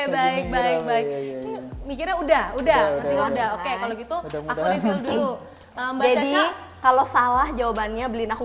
baik baik mikirnya udah udah udah oke kalau gitu aku dulu kalau salah jawabannya beli aku